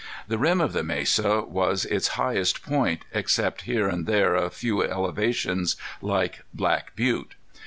The rim of the mesa was its highest point, except here and there a few elevations like Black Butte.